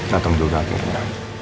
dateng dulu kak catherine